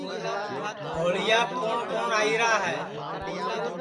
ہوݪیاپ کُوٹؔ کُوٹؔ آئیرا ہے